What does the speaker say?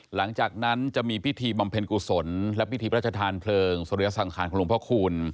หลังจากนั้นจะมีพิธีบำเพ็ญกุศลและพิธีพระราชทานเพลิงสุริยสังขารของหลวงพ่อคูณ